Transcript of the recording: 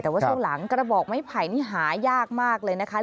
แต่ว่าช่วงหลังกระบอกไม้ไผ่นี่หายากมากเลยนะคะ